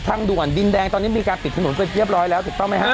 ทางกลุ่มมวลชนทะลุฟ้าทางกลุ่มมวลชนทะลุฟ้า